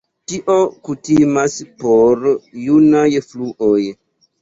Tio kutimas por junaj fluoj.